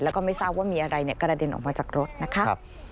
แล้วก็ไม่ทราบว่ามีอะไรกระเด็นออกมาจากรถนะคะ